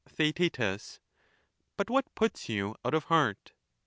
Theaet But what puts you out of heart